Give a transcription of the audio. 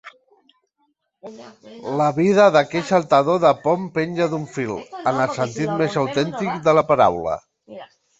La vida d'aquell saltador de pont penja d'un fil, en el sentit més autèntic de la paraula.